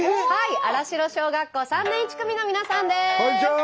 新城小学校３年１組の皆さんです。